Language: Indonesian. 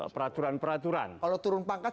peraturan peraturan kalau turun pangkat